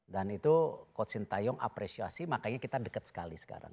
dan itu coach sintayong apresiasi makanya kita deket sekali sekarang